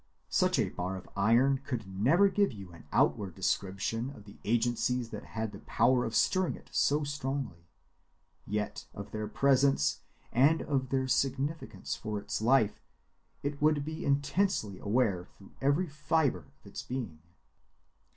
Such a bar of iron could never give you an outward description of the agencies that had the power of stirring it so strongly; yet of their presence, and of their significance for its life, it would be intensely aware through every fibre of its being.